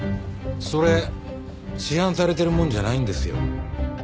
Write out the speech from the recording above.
それ市販されてるものじゃないんですよ。